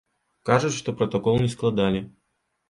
Кажуць, што пратакол не складалі.